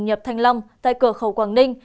nhập thanh long tại cửa khẩu quảng ninh